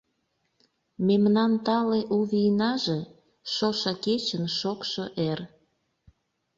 Мемнан тале у вийнаже — Шошо кечын шокшо эр.